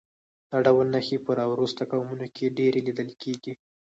دا ډول نښې په راوروسته قومونو کې ډېرې لیدل کېږي